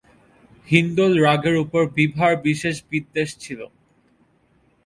হিন্দোল রাগের উপর বিভার বিশেষ বিদ্বেষ ছিল।